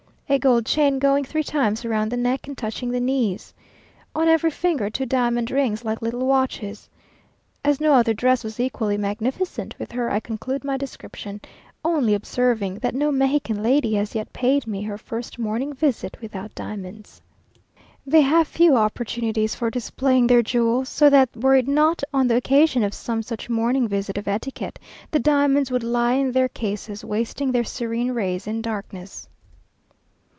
A gold chain going three times round the neck, and touching the knees. On every finger two diamond rings, like little watches. As no other dress was equally magnificent, with her I conclude my description, only observing that no Mexican lady has yet paid me her first morning visit without diamonds. They have few opportunities for displaying their jewels, so that were it not on the occasion of some such morning visit of etiquette, the diamonds would lie in their cases, wasting their serene rays in darkness.